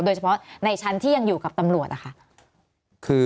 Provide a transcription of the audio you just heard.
โดยเฉพาะในชั้นที่ยังอยู่กับตำรวจนะคะ